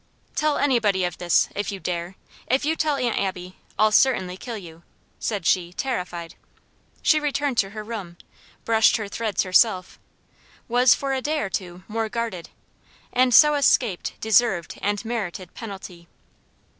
"Tell anybody of this, if you dare. If you tell Aunt Abby, I'll certainly kill you," said she, terrified. She returned to her room, brushed her threads herself; was for a day or two more guarded, and so escaped deserved and merited penalty.